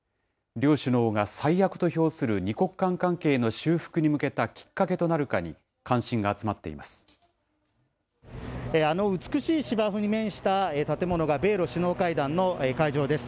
両首脳が最悪と評する２国間関係の修復に向けたきっかけとなるかあの美しい芝生に面した建物が米ロ首脳会談の会場です。